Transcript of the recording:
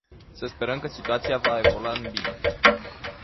Să sperăm că situația va evolua în bine.